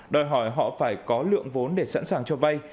đòi hỏi họ phải có lượng vốn để sẵn sàng cho vay